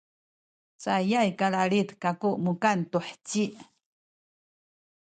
cayay kalalid kaku mukan tu heci